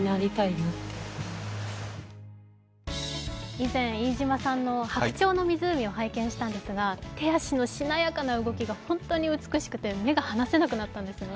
以前、飯島さんの「白鳥の湖」を拝見したんですが、手足のしなやかな動きがホントに美しくて、目が離せなくなったんですね。